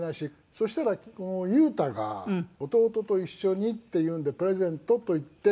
「そしたらこの裕太が弟と一緒にっていうんでプレゼントといってこれを」